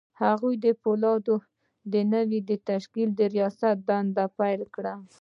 هغه د پولادو د نوي تشکيل د رياست دنده پيل کړه.